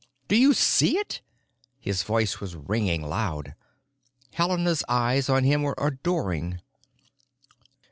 "Do you see it?" His voice was ringing loud; Helena's eyes on him were adoring.